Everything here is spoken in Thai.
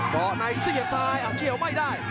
เบาะในเสียบซ้ายอำเขียวไม่ได้